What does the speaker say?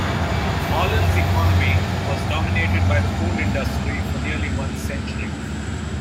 Ahlen's economy was dominated by the coal industry for nearly one century.